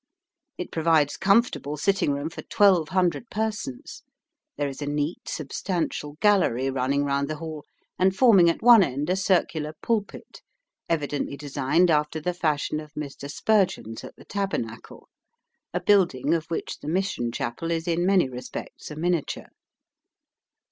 It provides comfortable sitting room for twelve hundred persons. There is a neat, substantial gallery running round the hall, and forming at one end a circular pulpit, evidently designed after the fashion of Mr. Spurgeon's at the Tabernacle a building of which the Mission Chapel is in many respects a miniature.